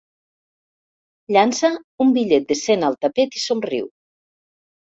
Llança un bitllet de cent al tapet i somriu.